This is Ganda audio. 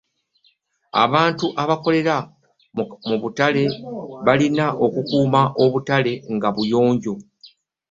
abantu abakolera mu butale balina okukuuma obutale nga buyonjo